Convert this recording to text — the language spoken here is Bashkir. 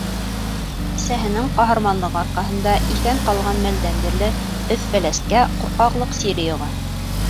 Әсәһенең ҡаһарманлығы арҡаһында иҫән ҡалған мәлдән бирле Өф-Фәләскә ҡурҡаҡлыҡ сире йоға.